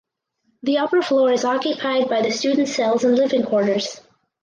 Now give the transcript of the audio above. The upper floor is occupied by the student cells and living quarters.